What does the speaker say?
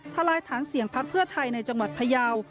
ทลายฐานเสียงพักเพื่อไทยในจังหวัดพยาว